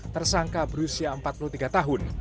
tersangka berusia empat puluh tiga tahun